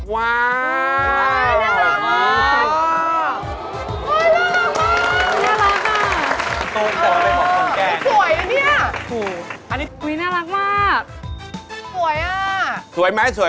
ว้าว